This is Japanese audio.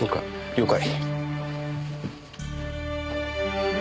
了解。